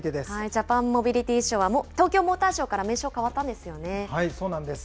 ジャパンモビリティショーは、東京モーターショーから名称が変そうなんです。